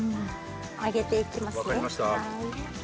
揚げていきますね。